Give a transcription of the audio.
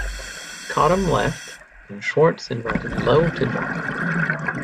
Cottam left, and Schwarz invited Lowe to join.